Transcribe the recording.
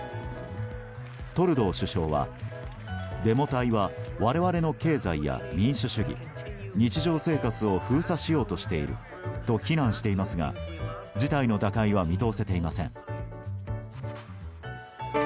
トルドー首相はデモ隊は我々の経済や民主主義日常生活を封鎖しようとしていると非難していますが事態の打開は見通せていません。